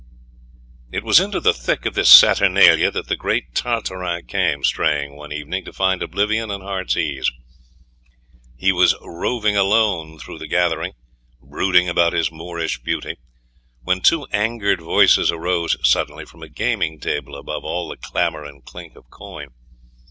It was into the thick of this saturnalia that the great Tartarin came straying one evening to find oblivion and heart's ease. He was roving alone through the gathering, brooding about his Moorish beauty, when two angered voices arose suddenly from a gaming table above all the clamour and chink of coin.